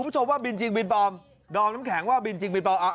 คุณผู้ชมว่าบินจริงบินปลอมดอมน้ำแข็งว่าบินจริงบินปลอมเอา